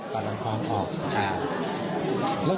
ปัดลำความออก